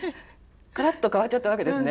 ガラッと変わっちゃったわけですね。